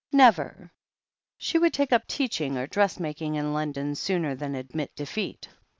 Never! She would take up teaching or dressmaking in London, sooner than admit defeat.